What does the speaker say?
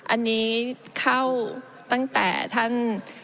อันนี้เข้าตั้งแต่ท่าน